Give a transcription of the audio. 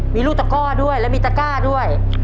มีลูกตะก้อด้วยและมีตะก้าด้วย